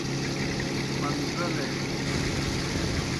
پݩزیلے۔